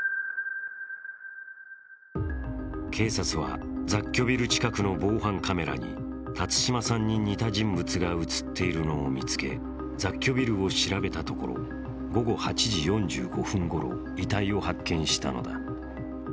警察は雑居ビル近くの防犯カメラに、辰島さんに似た人物が映っているのを見つけ雑居ビルを調べたところ午後８時４５分ごろ、遺体を発見したのだ。